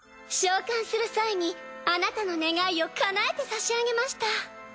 召喚する際にあなたの願いをかなえて差し上げました。